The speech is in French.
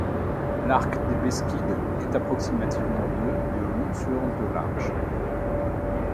L'arc des Beskides est approximativement de de long sur de large.